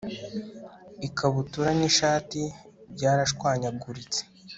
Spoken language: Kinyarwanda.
ikabutura n'ishati byarashwanyaguritse